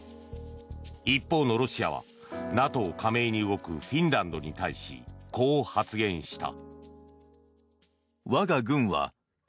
一方のロシアはＮＡＴＯ加盟に動くフィンランドに対しこう発言した。